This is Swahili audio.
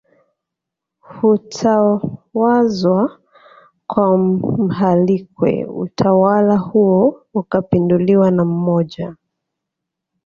kutawazwa kwa Mhalwike utawala huo ukapinduliwa na mmoja